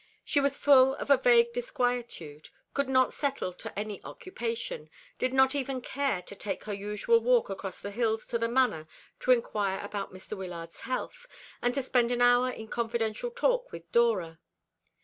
She was full of a vague disquietude could not settle to any occupation, did not even care to take her usual walk across the hills to the Manor to inquire about Mr. Wyllard's health, and to spend an hour in confidential talk with Dora.